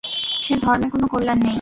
সে ধর্মে কোন কল্যাণ নেই।